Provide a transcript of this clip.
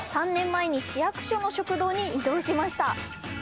３年前に市役所の食堂に移動しました